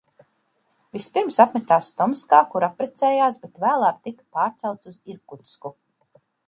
Vispirms apmetās Tomskā, kur apprecējās, bet vēlāk tika pārcelts uz Irkutsku.